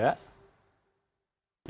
ini kursi keempat